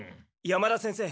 山田先生。